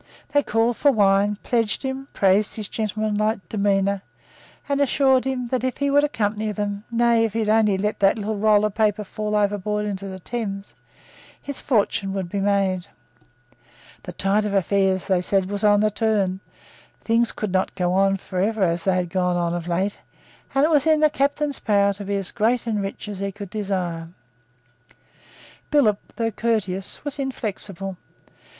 They called for wine, pledged him, praised his gentlemanlike demeanour, and assured him that, if he would accompany them, nay, if he would only let that little roll of paper fall overboard into the Thames, his fortune would be made. The tide of affairs, they said, was on the turn, things could not go on for ever as they had gone on of late and it was in the captain's power to be as great and as rich as he could desire. Billop, though courteous, was inflexible.